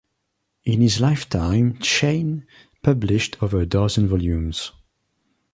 In his lifetime Cheyne published over a dozen volumes.